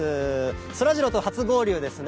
そらジローと初合流ですね。